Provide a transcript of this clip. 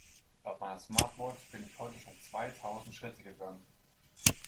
Laut meiner Smartwatch bin ich heute schon zweitausend Schritte gegangen.